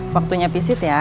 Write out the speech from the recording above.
waktunya pisit ya